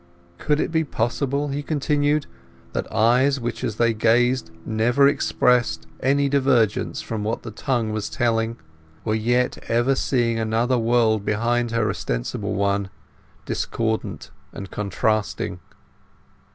Could it be possible, he continued, that eyes which as they gazed never expressed any divergence from what the tongue was telling, were yet ever seeing another world behind her ostensible one, discordant and contrasting?